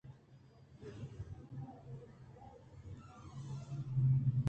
شما بزان اِت کہ اے پوسٹ پہ سفارش شمارادیگ بوتگ